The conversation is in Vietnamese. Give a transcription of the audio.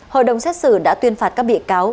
hội đồng xét xử đã tuyên phạt các bị cáo